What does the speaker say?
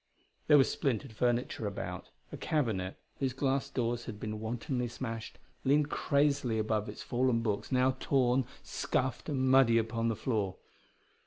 There was splintered furniture about. A cabinet, whose glass doors had been wantonly smashed, leaned crazily above its fallen books, now torn, scuffed and muddy upon the floor.